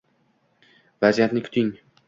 vaziyatni kuting, “